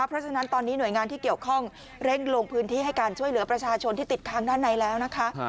เพราะฉะนั้นตอนนี้หน่วยงานที่เกี่ยวข้องเร่งลงพื้นที่ให้การช่วยเหลือประชาชนที่ติดค้างด้านในแล้วนะคะ